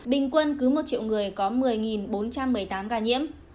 bình quân cứ một triệu người có một mươi bốn trăm một mươi tám ca nhiễm